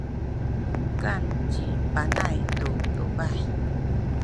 mukan ci Puhay tu tubah.